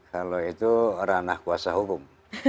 kalau itu ranah kuasa hukum